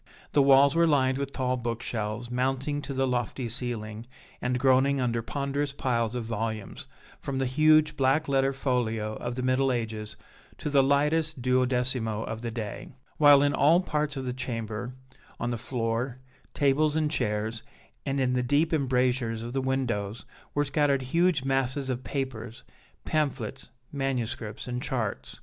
The walls were lined with tall book shelves, mounting to the lofty ceiling, and groaning under ponderous piles of volumes, from the huge black letter folio of the Middle Ages to the lightest duodecimo of the day; while in all parts of the chamber, on the floor, tables and chairs, and in the deep embrasures of the windows, were scattered huge masses of papers, pamphlets, manuscripts and charts.